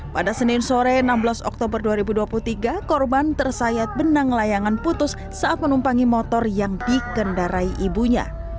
pada senin sore enam belas oktober dua ribu dua puluh tiga korban tersayat benang layangan putus saat menumpangi motor yang dikendarai ibunya